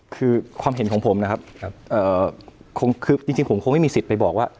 คือความเห็นของผมนะครับคงคือจริงผมคงไม่มีสิทธิ์ไปบอกว่า